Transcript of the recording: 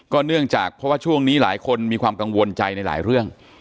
เนื่องจากเพราะว่าช่วงนี้หลายคนมีความกังวลใจในหลายเรื่อง